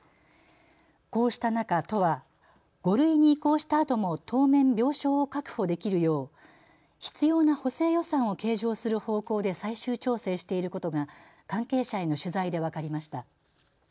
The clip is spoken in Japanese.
こうした中、都は５類に移行したあとも当面、病床を確保できるよう必要な補正予算を計上する方向で最終調整していることが関係者への取材で分かりました。